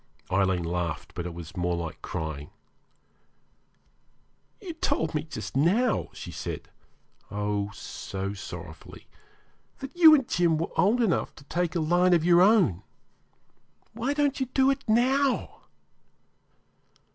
Aileen laughed, but it was more like crying. 'You told me just now,' she said oh! so sorrowfully 'that you and Jim were old enough to take a line of your own. Why don't you do it now?'